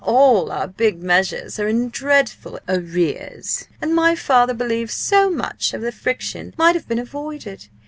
All our big measures are in dreadful arrears. And my father believes so much of the friction might have been avoided.